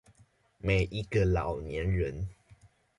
每一個老年人